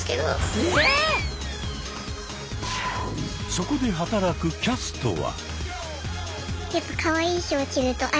そこで働くキャストは。